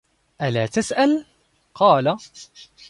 أَلَا تَسْأَلُ ؟ قَالَ